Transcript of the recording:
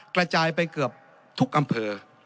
กระจายไปเกือบทุกอำเภอ